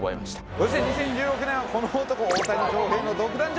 そして２０１６年はこの男大谷翔平の独壇場。